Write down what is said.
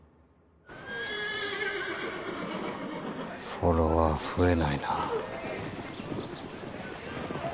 フォロワー増えないなぁ。